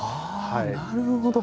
なるほど。